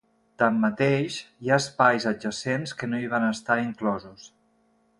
Tanmateix, hi ha espais adjacents que no hi van estar inclosos.